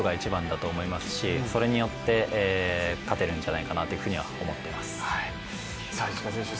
精度を上げることが一番だと思いますし、それによって勝てるんじゃないかなというふうには思っています。